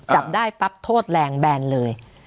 จับได้ปั๊บโทษแรงแบนเลย